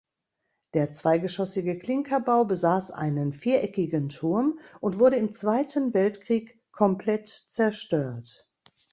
Der zweigeschossige Klinkerbau besaß einen viereckigen Turm und wurde im Zweiten Weltkrieg komplett zerstört.